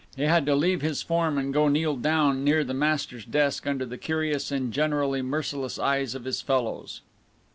He had to leave his form and go to kneel down near the master's desk under the curious and generally merciless eyes of his fellows.